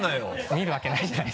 見るわけない。